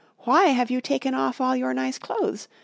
why have you taken off all your nice clothes?